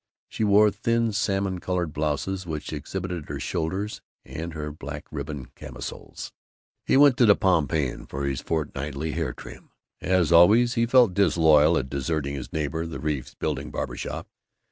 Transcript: She wore thin salmon colored blouses which exhibited her shoulders and her black ribboned camisoles. He went to the Pompeian for his fortnightly hair trim. As always, he felt disloyal at deserting his neighbor, the Reeves Building Barber Shop.